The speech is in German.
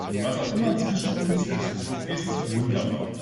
Was auch immer das zwischen uns ist, es ist wunderbar.